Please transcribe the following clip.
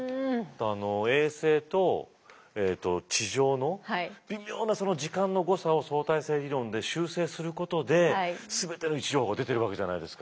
あの衛星と地上の微妙な時間の誤差を相対性理論で修正することで全ての位置情報出てるわけじゃないですか。